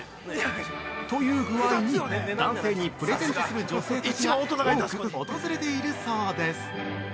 ◆というぐあいに男性にプレゼントする女性たちが多く訪れているそうです。